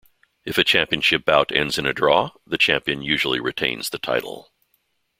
If a championship bout ends in a draw, the champion usually retains the title.